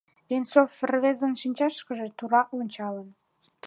— Венцов рвезын шинчашкыже тура ончалын.